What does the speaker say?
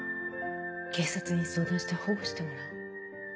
警察に相談して保護してもらおう。